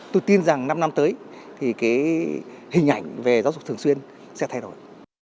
tôi tin rằng năm năm tới thì cái hình ảnh về giáo dục thường xuyên sẽ thay đổi